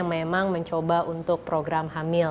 memang mencoba untuk program hamil